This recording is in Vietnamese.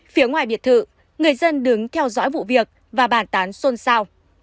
phía ngoài biệt thự người dân đứng theo dõi vụ việc và bàn tán xôn xao